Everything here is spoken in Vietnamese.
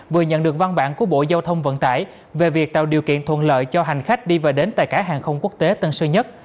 vừa nhận được văn bản của bộ giao thông vận tải về việc tạo điều kiện thuận lợi cho hành khách đi và đến tại cảng hàng không quốc tế tân sơn nhất